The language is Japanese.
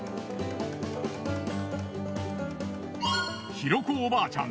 大子おばあちゃん